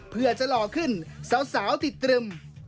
เพื่อจะหล่อขึ้นสาวติดตรึม